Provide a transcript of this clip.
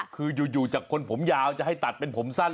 คืออยู่จากคนผมยาวจะให้ตัดเป็นผมสั้น